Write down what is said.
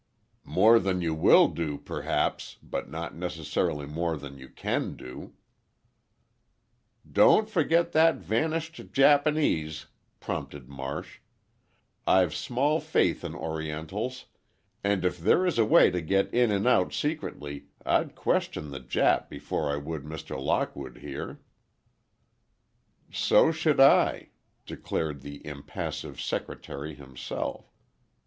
"More than you will do, perhaps, but not necessarily more than you can do." "Don't forget that vanished Japanese," prompted Marsh. "I've small faith in Orientals, and if there is a way to get in and out secretly, I'd question the Jap before I would Mr. Lockwood here." "So should I," declared the impassive secretary himself.